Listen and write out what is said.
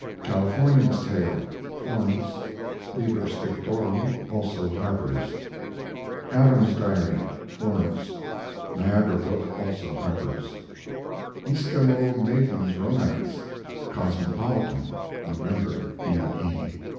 CALIFORNIAN'S TALE (Florence) Liber Scriptorum, also Harper's. ADAM'S DIARY (Florence) Niagara Book, also Harper's. ESQUIMAU MAIDEN'S ROMANCE Cosmopolitan, November. U. E.